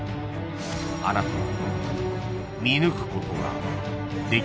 ［あなたは］